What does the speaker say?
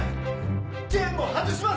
チェーンも外しません！